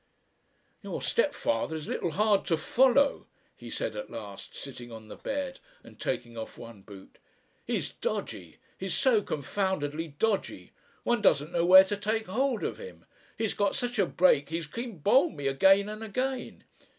"Your stepfather is a little hard to follow," he said at last, sitting on the bed and taking off one boot. "He's dodgy he's so confoundedly dodgy. One doesn't know where to take hold of him. He's got such a break he's clean bowled me again and again."